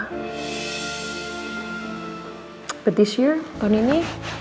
tapi tahun ini